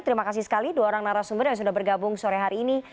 terima kasih sekali dua orang narasumber yang sudah bergabung sore hari ini